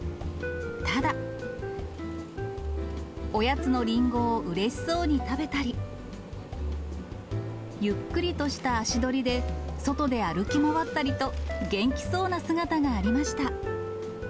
ただ、おやつのりんごをうれしそうに食べたり、ゆっくりとした足取りで外で歩き回ったりと、元気そうな姿がありました。